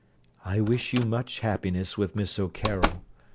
I wish you much happiness with Miss O'Carroll.